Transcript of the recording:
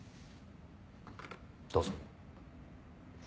どうぞ。